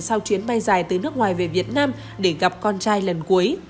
sau chuyến bay dài từ nước ngoài về việt nam để gặp con trai lần cuối